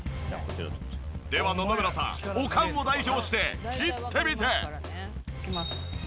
では野々村さんおかんを代表して切ってみて。